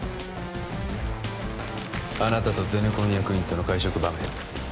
あなたとゼネコン役員との会食場面